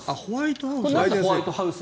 ホワイトハウス。